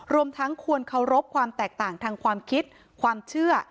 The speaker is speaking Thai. รวมทั้งควรเคารพความแตกต่างทางความคิดความเชื่อ